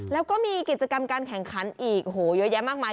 แล้วก็มีกิจกรรมการแข่งขันอีกโอ้โหเยอะแยะมากมาย